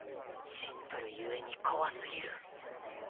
シンプル故に怖すぎる。